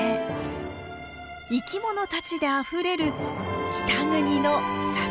生きものたちであふれる北国の里山です。